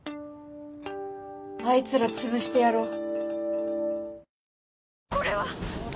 あいつら潰してやろう。